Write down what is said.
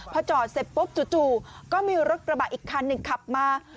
พอจอดเสร็จปุ๊บจู่ก็มีรถกระบะอีกคันหนึ่งขับมา